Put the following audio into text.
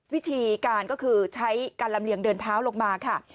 วิธีการก็คือใช้การลำเลียงเดินเท้าลงมาค่ะ